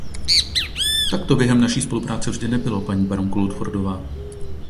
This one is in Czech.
Tak to během naší spolupráci vždy nebylo, paní baronko Ludfordová.